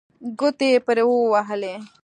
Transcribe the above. ګوتې یې پرې ووهلې.